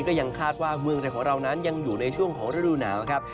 ก็ยังคาดว่าเมืองไทยของเรานั้นยังอยู่ในช่วงของฤดูหนาวครับ